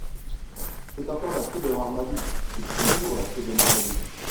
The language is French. C’est encore la faute de Marmadou… c’est toujours la faute de Marmadou !